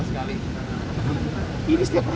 nggak ada sama sekali